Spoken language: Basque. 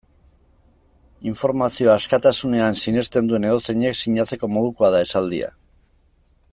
Informazioa askatasunean sinesten duen edozeinek sinatzeko modukoa da esaldia.